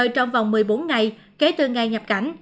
trong vòng một mươi bốn ngày kể từ ngày nhập cảnh